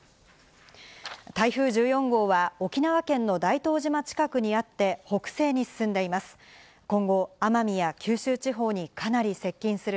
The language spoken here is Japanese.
台風１４号は、沖縄県の大東島近くにあって、北西に進んでいます。